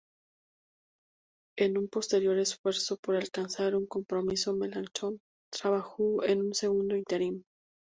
En un posterior esfuerzo por alcanzar un compromiso, Melanchthon trabajó en un segundo "Interim".